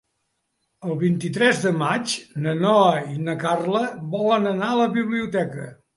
El vint-i-tres de maig na Noa i na Carla volen anar a la biblioteca.